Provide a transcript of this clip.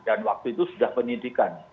dan waktu itu sudah penyidikan